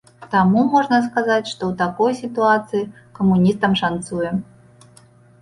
Таму можна сказаць, што ў такой сітуацыі камуністам шанцуе.